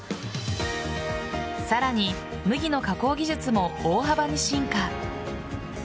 さらに、麦の加工技術も大幅に進化。